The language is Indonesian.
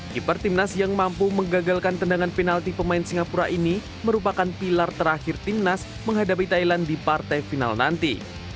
keeper timnas yang mampu menggagalkan tendangan penalti pemain singapura ini merupakan pilar terakhir timnas menghadapi thailand di partai final nanti